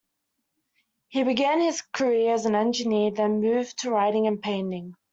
He began his career as an engineer, then moved to writing and painting.